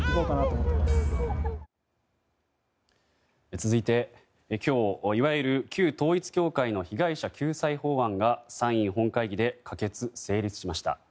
続いて、今日いわゆる旧統一教会の被害者救済法案が参院本会議で可決・成立しました。